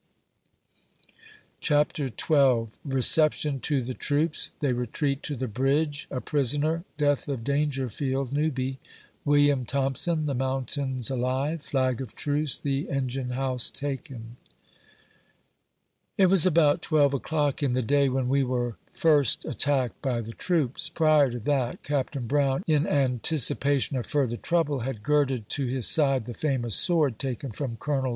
RECEPTION TO THE TROOPS. 39 CHAPTER XII. RECEPTION TO TIIE TROOPS TIIEY RETREAT TO THE BRIDGE A PRISONER DEATH OF DANGERFIELD NEWBT WILLIAM THOMPSON — THE MOUNTAINS ALIVE — FLAG OF TRUCE — THE ENGINE HOUSE TAKEN. It was about twelve o'clock in the day when we were first attacked by the troops. Prior to that, Capt. Brown, in an ticipation of further trouble, had girded to his side the famous sword taken from Col.